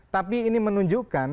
tapi ini menunjukkan